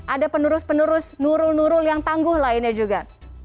ada penerus penerus nurul nurul yang tangguh lainnya juga